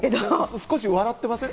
少し笑ってません？